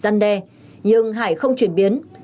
nhưng hải không chuyển biến